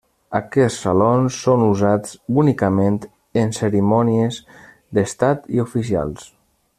Aquests salons són usats únicament en cerimònies d'estat i oficials.